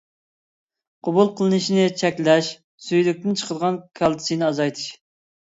قوبۇل قىلىنىشىنى چەكلەش، سۈيدۈكتىن چىقىدىغان كالتسىينى ئازايتىش.